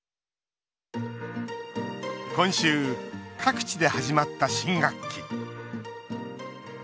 今週、各地で始まった新学期。